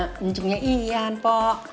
njuncungnya iyan pok